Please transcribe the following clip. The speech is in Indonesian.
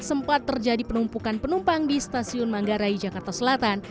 sempat terjadi penumpukan penumpang di stasiun manggarai jakarta selatan